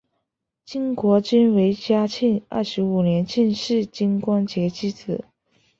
金国均为嘉庆二十五年进士金光杰之子。